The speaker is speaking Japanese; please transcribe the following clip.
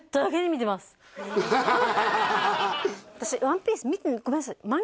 私「ワンピース」ごめんなさい